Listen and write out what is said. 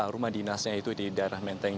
rumah dinasnya itu di daerah menteng